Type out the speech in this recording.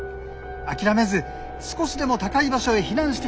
諦めず少しでも高い場所へ避難してください。